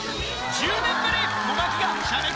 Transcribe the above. １０年ぶり！